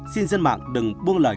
xin dân mạng đừng buông lời